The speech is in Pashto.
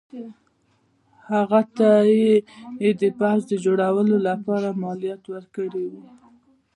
هغه ته یې د پوځ جوړولو لپاره مالیات ورکړي وو.